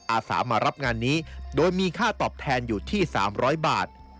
อาสามารับงานนี้โดยมีค่าตอบแทนอยู่ที่๓๐๐บาท